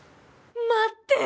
待って！